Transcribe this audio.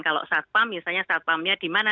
kalau satpam misalnya satpam nya di mana